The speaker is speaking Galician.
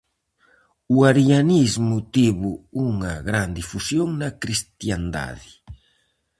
O arianismo tivo unha gran difusión na cristiandade.